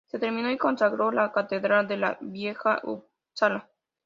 Se terminó y consagró la Catedral de la Vieja Upsala.